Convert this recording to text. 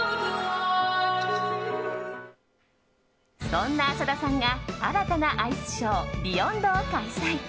そんな浅田さんが新たなアイスショー「ＢＥＹＯＮＤ」を開催。